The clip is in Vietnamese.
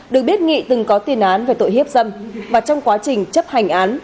được biết nghị từng có tiền án về tội hiếp dâm và trong quá trình chấp hành án